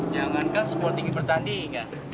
jangankan support tinggi pertandingan